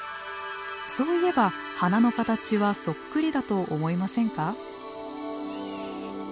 そういえば鼻の形はそっくりだと思いませんか？